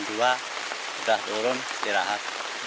sudah turun dirahat